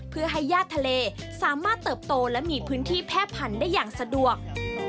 เพื่อให้ญาติทะเลสามารถเติบโตและมีพื้นที่แพร่พันธุ์ได้อย่างสะดวก